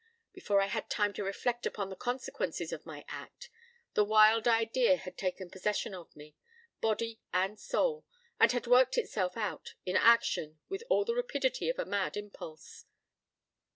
Before I had time to reflect upon the consequences of my act, the wild idea had taken possession of me, body and soul, and had worked itself out in action with all the rapidity of a mad impulse.